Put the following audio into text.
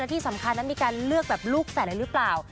ที่สำคัญนั้นมีการเลือกแบบลูกแฝดอะไรหรือเปล่า